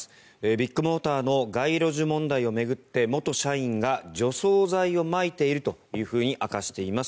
ビッグモーターの街路樹問題を巡って元社員が除草剤をまいているというふうに明かしています。